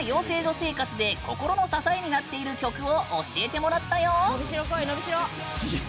生活で心の支えになっている曲を教えてもらったよ！